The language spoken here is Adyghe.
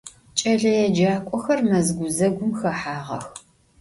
Ç'eleêcak'oxer mez guzegum xehağex.